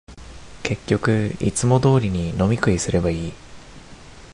結局、いつも通りに飲み食いすればいい